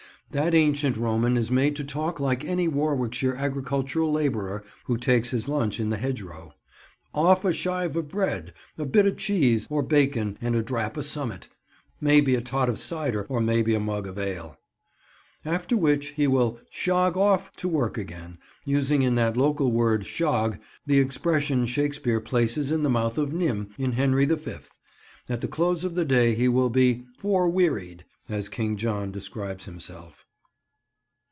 That ancient Roman is made to talk like any Warwickshire agricultural labourer who takes his lunch in the hedgerow, off a "shive o' bread, a bit o' cheese or baacon and a drap o' summit; maybe a tot o' cider or maybe a mug of ale." After which he will "shog off" to work again; using in that local word "shog" the expression Shakespeare places in the mouth of Nym, in Henry the Fifth. At the close of the day he will be "forewearied," as King John describes himself.